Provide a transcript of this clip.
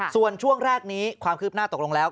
ส่วนช่วงแรกนี้ความคืบหน้าตกลงแล้ว